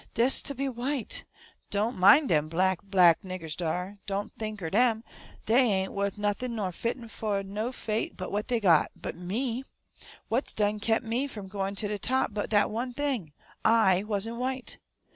DES TER BE WHITE! Don' min' dem black, black niggers dar don' think er DEM dey ain't wuth nothin' nor fitten fo' no fate but what dey got But me! What's done kep' me from gwine ter de top but dat one thing: I WASN'T WHITE!